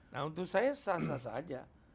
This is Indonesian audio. nah untuk saya sah sah saja